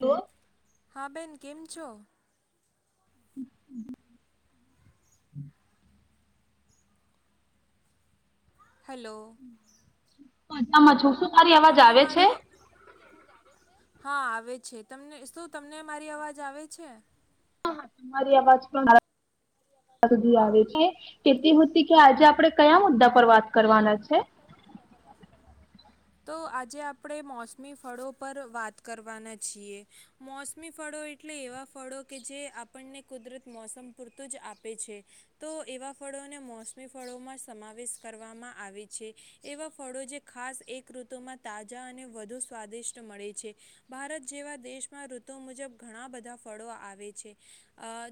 તો. હા, બેન કેમ છો. [inaudible] હલો. તમાચો મારી અવાજ આવે છે? હા આવે છે તમને શું તમને મારી અવાજ આવે છે? મારી આબાજુ તો અવાજ પણ આવે છે, કે તી હોતી કે આજે આપડે કયા મુદ્દા પર વાત કરવાના છે? તો આજે આપણે મોસમી ફળો પર વાત કરવાના છીએ, મોસ્મી ફળો એટલે એવાં ફળો કે જે આપણને કુદરત મોસમ પૂરતું જ આપે છે, તો એવા ફળોને મોસમી ફળોમાં સમાવેશ કરવામાં આવે છે, એવાં ફળો જે ખાસ એક ઋતુમાં તાજા અને વધુ સ્વાદિષ્ટ મળે છે, ભારત જેવા દેશમાં ઋતુ મુજબ ઘણા બધા ફળો આવે છે,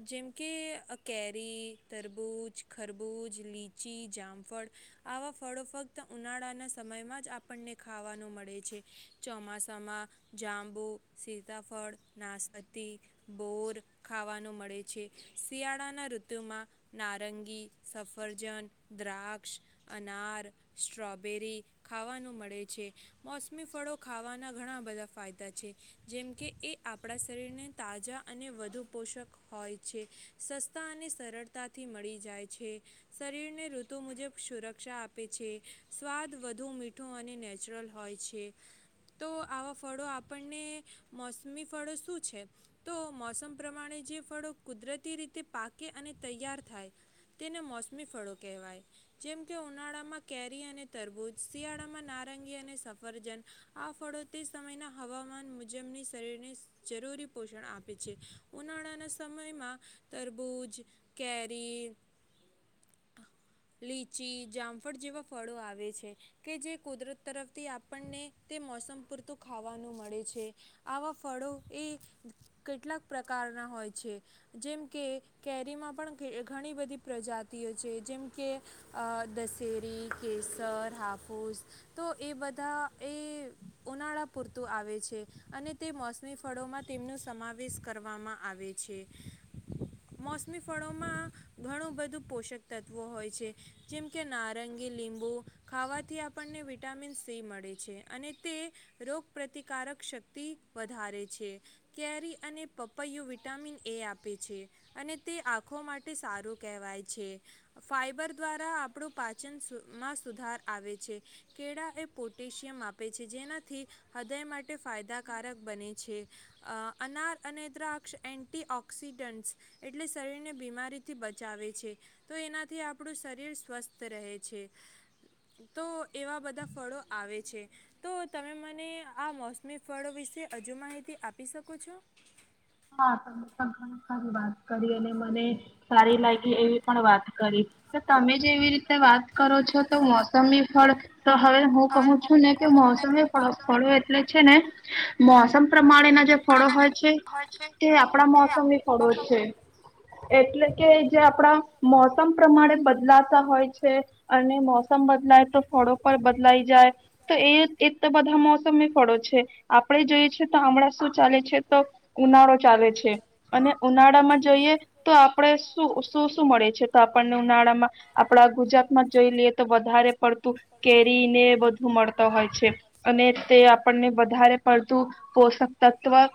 જેમકે, કેરી, તરબૂજ, ખરબૂજ, લીચી, જામફળ આવા ફળો ફક્ત, ઉનાળાના સમયમાં જ આપણને ખાવાનું મળે છે, ચોમાસામાં જાંબુ, સીતાફળ, નાસ્પતી, બોર ખાવાનું મળે છે, શિયાળાના ઋતુમાં નારંગી, સફરજન, દ્રાક્ષ, અનાર, સ્ટ્રોબેરી ખાવાનું મળે છે, મોસમી ફળો ખાવાના ઘણા બધા ફાયદા છે, જેમકે, એ આપણા શરીરને તાજા અને વધુ પોષક હોય છે, સસ્તા અને સરળતાથી મળી જાય છે, શરીરને ઋતુ મુજબ સુરક્ષા આપે છે, સ્વાદ વધુ મીઠા મીઠું અને નેચરલ હોય છે, તો આવાં ફળો આપણને, મોસમી ફળો શું છે, તો મોસમ પ્રમાણે જે ફળો કુદરતી રીતે પાકે અને તૈયાર થાય, તેને મોસમી ફળો કહેવાય, જેમ કે, ઉનાળામાં કેરી અને તરબૂજ. શિયાળામાં નારંગી અને સફરજન, આ ફળો તે સમયના હવામાન મુજબની શરીરને જરૂરી પોષણ આપે છે, ઉનાળાના સમયમાં તરબૂજ, કેરી, લીચી, જામફળ જેવા ફળો આવે છે. કે જે કુદરત તરફથી આપણને તે મોસમ પૂરતું ખાવાનું મળે છે, આવાં ફળો એ કેટલાક પ્રકારના હોય છે, જેમ કે કેરીમાં પણ ઘણી બધી પ્રજાતિઓ છે, જેમકે, દશેરી કેસર હાપ ઝ તો એ બધા એ ઉનાળા પૂરતું આવે છે, અને તે મોસમી ફળોમાં તેમનો સમાવેશ કરવામાં આવે છે, મોસમી ફળોમાં ઘણું બધું પોષક તત્ત્વો હોય છે, જેમકે, નારંગી લીંબુ ખાવા થી આપણને વિટામિન સી મળે છે, અને તે રોગ પ્ર્રતિકારક શક્તિ વધારે છે, કેરી અને પપૈયુ વિટામિન એ આપે છે, અને તે આંખો માટે સારું કહેવાય છે. ફાઈબર દ્વારા આપણું પાચનમાં સુધાર આવે છે, કેળા એ પોટેશિયમ આપે છે જેનાથી હૃદય માટે ફાયદાકારક બને છે, અનાર અને દ્રાક્ષ એન્ટીઓક્સિડન્ટ્સ એટલે શરીરને બીમારીથી બચાવે છે, તો એનાથી આપણું શરીર સ્વસ્થ રહે છે. તો એવા બધા ફળો આવે છે, તો તમે મને આ મોસમી ફળો વિશે હજુ માહિતી આપી શકો છો? હા તને પણ ઘ સારી વાત કરી અને મને, સારી લાગી એવી પણ વાત કરી, તો તમે જે એવી રીતે વાત કરો છો તો મોસમી ફળ તો હવે હું કહું છું ને કે મોસમી ફળો એટલે છે ને, મોસમ પ્રમાણેના જે ફળો હોય છે. તે આપણા મોસમ એ ફળો છે, એટલે કે જે આપણા મોસમ પ્રમાણે બદલાતા હોય છે અને મોસમ બદલાય તો ફળો પર બદલાય. જાય તો એ એ તો બધા મોસમ એ ફળો છે. આપણેે જોઈએ છે તો હમણાં શું ચાલે છે, તો ઉનાળો ચાલે છે, અને ઉનાળામાં જઈએ તો આપણે શું શું શું મળે છે તો આપણને ઉનાળામાં આપડા ગુજરાતમાં જોઈ લઈએ, તો વધારે પડતું કેરી મળતો હોય છે અને તે આપણને વધારે પડતું પોષક તત્વ.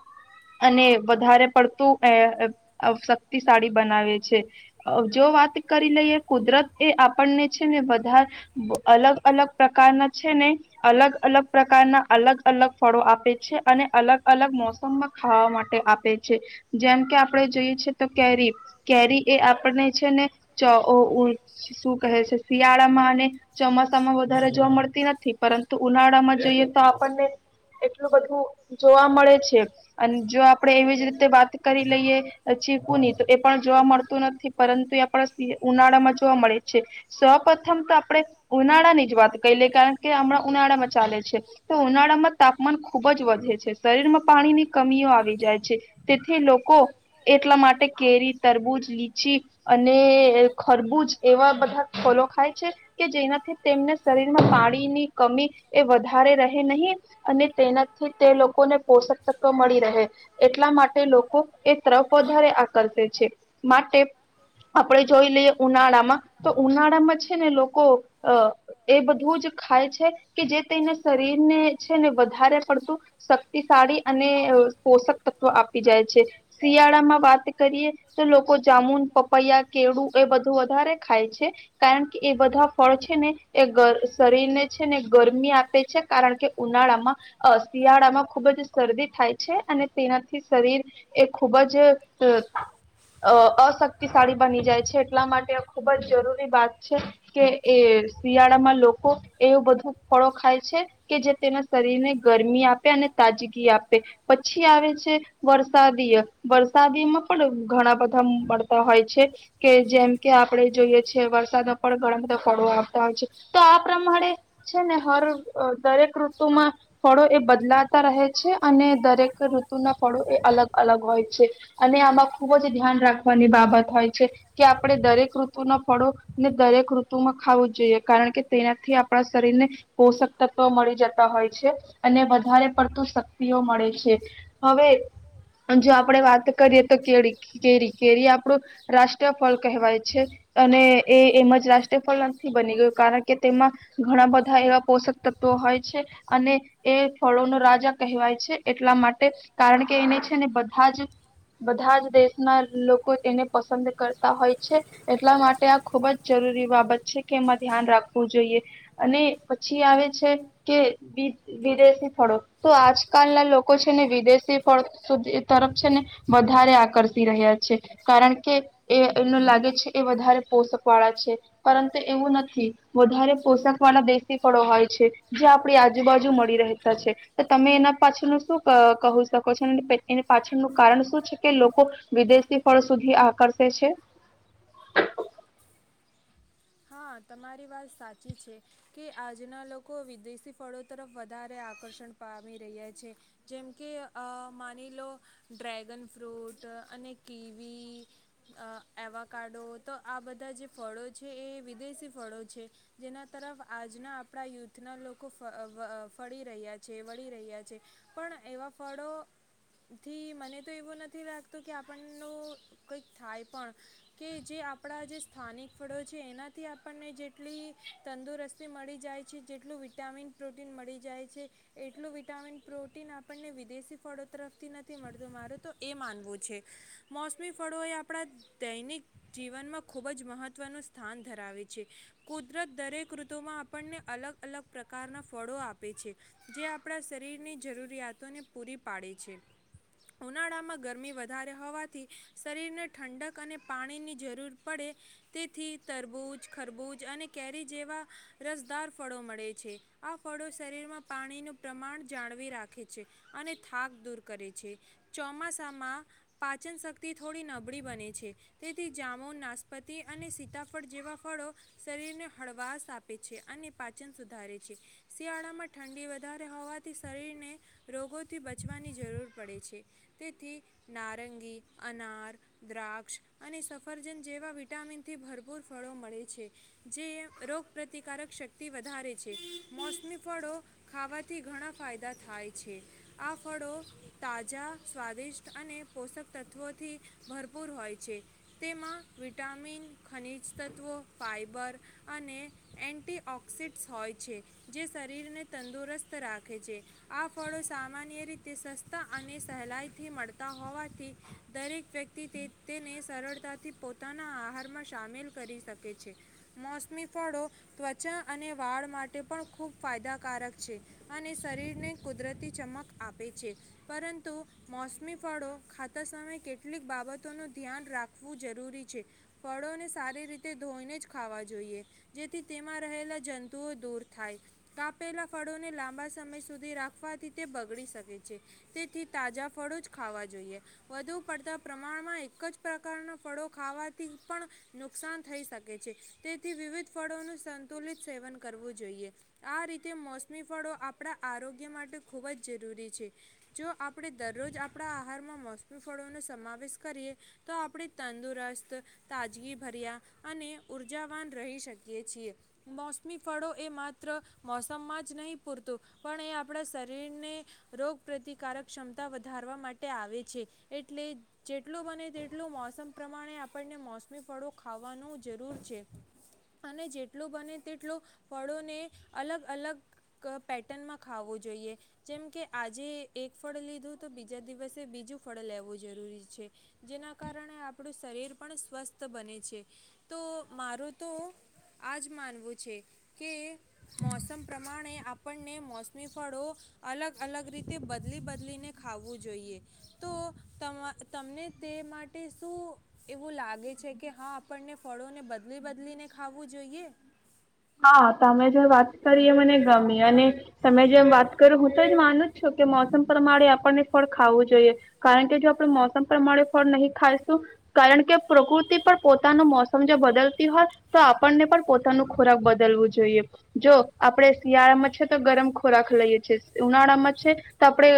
વધારે પડતું અ અ શક્તિશાળી બનાવે છે જો વાત કરી લઈએ કુદરત એ આપણને છે ને વધારે અલગ અલગ પ્રકારના છે ને અલગ-અલગ પ્રકારના અલગ-અલગ ફળો આપે છે અને અલગ-અલગ મોસમમાં ખાવા માટે આપે છે જેમ કે આપણે જોઈએ છે તો કેરી. કેરી એ આપને છે ને ચો ઉ શું કહે છે શિયાળામાં અને ચોમાસામાં વધારે જોવા મળતી નથી પરંતુ ઉનાળા માં જોઈએ તો આપણને એટલું બધું જોવા મળે છે. અને જો આપડણે એવી જ રીતે વાત કરી લઈએ ચીકુ ની તો એ પણ જોવા મળતું નથી પરંતુ એ આપ ઉનાળામાં જોવા મળે છે, સૌપથમ તો આપણે ઉનાળા ની વાત કરી લે કારણ કે હમણાં ઉનાળામાં ચાલે છે, તો ઉનાળામાં તાપમાન ખુબ જ વધે છે, શરીરમાં પાણીની કમીઓ આવી જાય છે તેથી લોકો એટલા માટે કેરી, તરબૂજ, લીચી અને ખરબૂજ એવા બધા ફલો ખાય છે, કે જેનાથી તેમને શરીરમાં પાણીની કમી એ વધારે રહે નહીં અને તેનાથી તે લોકોને પોષણ તો મળી રહે એટલા માટે લોકો એ તરફ વધારે આકર્ષે છે માટે આપણે જોઈ લઈએ ઉનાળામાં તો, ઉનાળામાં છે ને લોકો અ એ બધું જ ખાય છે કે જે તેઈને શરીર ને છે ને વધારે પડતું શક્તિશાળી અને પોષક તત્વ આપી જાય છે. શિયાળામાં વાત કરીએ તો લોકો જામુન, પપૈયા, કેડું એ બધું વધારે ખાય છે કારણ કે એ બધા ફળ છે ને એ શરીરને છે ને ગરમી આપે છે, કારણ કે ઉનાળામાં શિયાળામાં ખુબ જ શરદી થાય છે અને તેનાથી શરીર એ ખૂબ જ અ અશક્તિશાળી બની જાય છે એટલા માટે ખૂબ જ જરૂરી વાત છે કે એ શિયાળા લોકો એવું બધું ફળો ખાય છે કે જે તેના શરીર ને ગરમી આપે અને તાજગી આપે પછી આવે છે વરસાદીય. વરસાદીમાં પણ ઘણા બધા મળતા હોય છે કે જેમ કે આપડે જોઈએ છે વરસાદમાં પણ ઘણા બધા ફળો આવતા હોય છે. તો આ પ્રમાણે છે ને હર દરેક ઋતુમાં થડો એ બદલાતા રહે અને દરેક ઋતુના ફળો એ અલગ અલગ હોય છે, અને આમાં ખુબ જ ધ્યાન રાખવાની બાબત હોય છે કે આ આપણે દરેક ઋતુના ફળો ને દરેક ઋતુમાં ખાવું જ જોઈએ કારણ કે, તેનાથી આપણા શરીર ને પોષક તત્વ મળી જતા હોય છે, અને વધારે પડતું મળે છે, હવે જો આપણેે વાત કરીએ તો કેરી. કેરી કેરી આપણું રાષ્ટ્રીય ફળ કહેવાય. છે અને એ એમ જ રાષ્ટ્રીય ફળ નથી બની ગયું કારણ કે તેમાં ઘણા બધા એવા પોષક તત્વો હોય છે, અને એ ફળો નો રાજા. કહેવાય છે એટલા માટે કારણ કે એને છે ને બધા જ બધા જ દેશના લોકો તેને પસંદ કરતા હોય છે, એટલા માટે આ ખુબ જ જરૂરી બાબત છે કે એમાં ધ્યાન રાખવું જોઈએ, અને પછી આવે છે કે વિ વિદેશી ફળો તો આજકાલના લોકો છે ને વિદેશી ફળ સુધી તરફ છે ને વધારે આકર્ષી રહ્યા છે, કારણ કે એ એનું લાગે છે એ વધારે પોષક વાળા છે પરંતુ એવું નથી વધારે પોષક વાળા દેશી ફળો હોય છે, જે આપણી આજુબાજુ મળી રહેતા છે તમે એના પાછળનું શું કહ શકો છો એની પાછળનું કારણ શું છે કે લોકો વિદેશી, ફળ સુધી આકર્ષે છે. હા તમારી વાત સાચી છે, કે આજના લોકો વિદેશી ફળો તરફ વધારે આકર્ષણ પામી રહ્યા છે, જેમ કે માની લો ડ્રેગન ફ્રૂટ, અને કીવી એવાકાડો તો આ બધા જે ફળો છે એ વિદેશી ફળો છે, જેના તરફ આજના આપણા યુથના લોકો ફ ફળી રહ્યા છે. છે વળી રહ્યા છે, પણ એવા ફળો થી મને તો એવું નથી લાગતું કે આપણનું કંઈક થાય પણ, કે જે આપણા જે સ્થાનિક ફળો છે એનાથી આપણને જેટલી, તંદુરસ્તી મળી જાય છે જેટલું વિટામિન પ્રોટીન મળી જાય છે. એટલું વિટામિન પ્રોટીન આપણને વિદેશી ફળો તરફથી નથી મળતું મારું તો એ માનવું છે, મોસમી ફળો એ આપણા દૈનિક જીવનમાં ખૂબ જ મહત્વનું સ્થાન ધરાવે છે, કુદરત દરેક ઋતુમાં આપણને અલગ અલગ પ્રકારના ફળો આપે છે. જે આપણા શરીરની જરૂરિયાતોને પૂરી પાડે છે, ઉનાળામાં ગરમી વધારે હોવાથી, શરીરને ઠંડક અને પાણીની જરૂર પડે તેથી તરબૂજ ખરબૂજ અને કેરી જેવા, રસદાર ફળો મળે છે આ ફળો શરીરમાં પાણીનું પ્રમાણ જાળવી રાખે છે, અને થાક દૂર કરે છે, ચોમાસામાં પાચનશક્તિ થોડી નબળી બને છે, તેથી જાામુ નાસ્પતિ અને સીતાફળ જેવા ફળો, શરીરને હળવાશ આપે છે અને પાચન સુધારે છે, શિયાળામાં ઠંડી વધારે હોવાથી શરીરને, રોગોથી બચવાની જરૂર પડે છે, તેથી નારંગી અનાર દ્રાક્ષ અને સફરજન જેવા વિટામિનથી ભરપૂર ફળો મળે છે, જે રોગપ્રતિકારક શક્તિ વધારે છે, મોસમી ફળો ખાવાથી ઘણા ફાયદા થાય છે, આ ફળો તાજા સ્વાદિષ્ટ અને પોષક તત્વોથી ભરપૂર હોય છે, તેમાં વિટામિન ખનીજ તત્વો ફાઈબર અને એન્ટીઓક્સિટ્સ હોય છે, જે શરીરને તંદુરસ્ત રાખે છે, આ ફળો સામાન્ય રીતે સસ્તા અને સહેલાઈથી મળતા હોવાથી, દરેક વ્યક્તિ તે તેને સરળતાથી પોતાના આહારમાં સામેલ કરી શકે છે, મોસમી ફળો ત્વચા અને વાળ માટે પણ ખૂબ ફાયદા કારક છે, અને શરીરને કુદરતી ચમક આપે છે, પરંતુ મોસમી ફળો ખાતા સમયે કેટલીક બાબતોનું ધ્યાન રાખવું જરૂરી છે, ફળોને સારી રીતે ધોઈને જ ખાવા જોઈએ, જેથી તેમાં રહેલા જંતુઓ દૂર થાય, કાપ પેલાં ફળોને લાંબા સમય સુધી રાખવાથી તે બગડી શકે છે, તેથી તાજા ફળો જ ખાવા જોઈએ, વધુ પડતા પ્રમાણમાં એક જ પ્રકારના ફળો ખાવાથી પણ, નુકસાન થઈ શકે છે તેથી વિવિધ ફળોનું સંતુલિત સેવન કરવું જોઈએ, આ રીતે. તે મોસમી ફળો આપણા આરોગ્ય માટે ખૂબ જ જરૂરી છે, જો આપણે દરરોજ આપણા આહારમાં મોસમી ફળોનો સમાવેશ કરીએ, તો આપણે તંદુરસ્ત તાજગીભર્યા, અને ઉઊર્જાવાન રહી શકીએ છીએ, મોસમી ફળો એ માત્ર મોસમમાં જ નહીં પૂરતું, પણ એ આપણા શરીરને, રોગ પ્રતિકારક ક્ષમતા વધારવા માટે આવે છે, એટલે જેટલું બને તેટલું મોસમ પ્રમાણે આપણને મોસમી ફળો ખાવાનું જરૂર છે, અને જેટલું બને તેટલું ફળોને અલગ અલગ પેટર્નમાં ખાવાવું જોઈએ, જેમ કે આજે એક ફળ લીધું તો બીજા દિવસે બીજું ફળ લેવું જરૂરી છે, જેના કારણે આપણું શરીર પણ સ્વસ્થ બને છે, તો મારું તો આ જ માનવું છે કે મોસમ પ્રમાણે આપણને મોસમી ફળો, અલગ અલગ રીતે બદલી બદલીને ખાવાવું જોઈએ, તો તમા તમને તે માટે શું એવું લાગે છે કે હા આપણને ફળોને બદલી બદલીને ખાવું જોઈએ? હા તમે જે વાત કરીએ મને ગમી અને, તમે જેમ વાત કરી હું તોજ માનું જ છું, કે મોસમ પ્રમાણે આપણને ફળ ખાવું જોઈએ, કારણ કે જો આપણે મોસમ પ્રમાણે ફળ નહીં ખાઈશું, કારણ કે પ્રકૃતિ પર પોતાનું મોસમ જો બદલતી હોય, તો આપણને પણ પોતાનું ખોરાક બદલવું જોઈએ, જો આપણે શિયાળામાં છે તો ગરમ ખોરાક લઈએ છીએ ઉનાળામાં છે તો આપણે,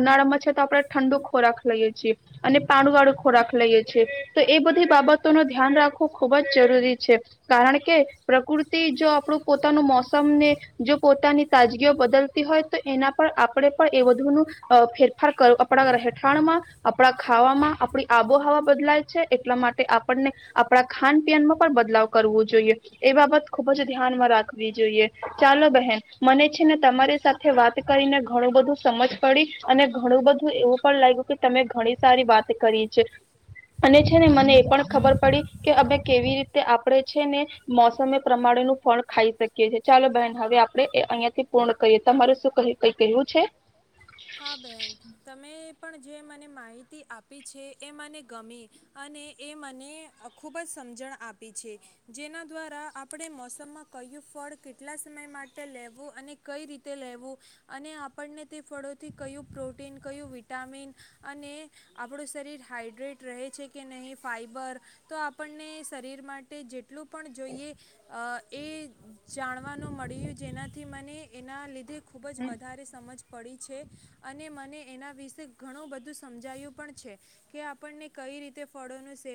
ઉનાળામાં છે તો આપણે ઠંડુ ખોરાક લઈએ, છીએ અને પાંડુ વાળું ખોરાક લઈએ છીએ, તો એ બધી બાબતો ન ધ્યાન રાખવું ખુબ જ જરૂરી છે, કારણ કે પ્રકૃતિ જો આપણું પોતાનું મોસમ ને, જો પોતાની તાજગીઓ બદલતી હોય તો એના પર આપણે પણ એ બુનું અ ફેરફાર કર આપણા રહેઠાણમાં, આપણા ખાવામાં આપણી આબોહવા બદલાય છે એટલા માટે આપણને, આપણા ખાનપનમાં પણ બદલાવ કરવો જોઈએ. એ બાબત ખુબ જ ધ્યાનમાં રાખવી જોઈએ ચાલો બહેન મને છે ને તમારી સાથે વાત કરીને ઘણું બધું સમજ પડી. અને ઘણું બધું એવું પણ લાગ્યું કે તમે ઘણી સારી વાત કરી છે અને છે ને મને એ પણ ખબર પડી કે અમે કેવી રીતે આપણેે છે ને. મોસમે પ્રમાણે નું ફળ ખાઈ શકીએ છીએ, ચાલો બેહેન હવે આપણે એ અહિયાંથી પૂર્ણ કરીએ તમારૂ શું ક કઈ કહેવું છે? હા બેહેન તમે પણ જે મને માહિતી આપી છે એ મને ગમી અને એ મને ખૂબ જ સમજણ આપી છે, જેના દ્વારા આપણે મોસમમાં કયું ફળ કેટલા સમય માટે લેવું અને કઈ રીતે લેવું અને આપણને તે ફળો. થી કયું પ્રોટીન કયું વિટામિન અને આપણું શરીર હાઈડ્રેટ રહે છે કે નહીં ફાઈબર તો આપણને શરીર માટે જે એટલું પણ જોઈએ અ એ જાણવાનું મળ્યું જેનાથી મને એના લીધે. ખુબ જ વધારે સમજ પડી. છે. અને મને એના વિશે ઘણું બધું સમજાયું પણ છે કે, આપણને કઈ રીતે ફળો ને સે